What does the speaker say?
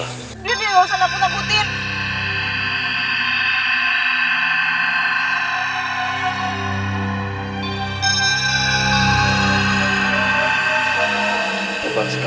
lihat dia tidak usah aku takutkan